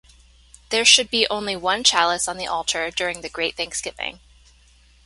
There should be only one chalice on the altar during the Great Thanksgiving.